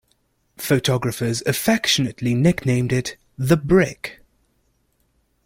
Photographers affectionately nicknamed it "the brick".